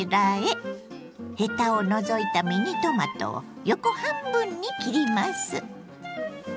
ヘタを除いたミニトマトを横半分に切ります。